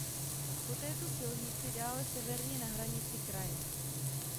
Po této silnici dále severně na hranici kraje.